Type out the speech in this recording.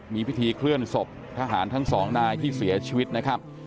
มีพิธีเคลื่อนศพทหารทั้งสองนายที่เสียชีวิตนะครับ